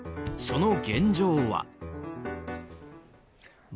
その現状は？